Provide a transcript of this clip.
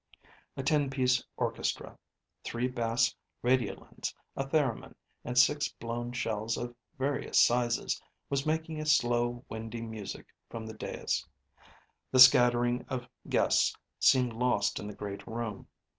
A ten piece orchestra three bass radiolins, a theremin, and six blown shells of various sizes was making a slow, windy music from the dais. The scattering of guests seemed lost in the great room.